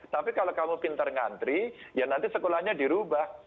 tapi kalau kamu pinter ngantri ya nanti sekolahnya dirubah